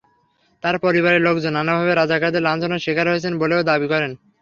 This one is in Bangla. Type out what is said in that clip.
তাঁর পরিবারের লোকজন নানাভাবে রাজাকারদের লাঞ্ছনার শিকার হয়েছেন বলেও দাবি করেন।